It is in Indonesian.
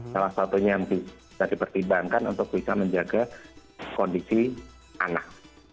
salah satunya yang bisa dipertimbangkan untuk bisa menjaga kondisi anak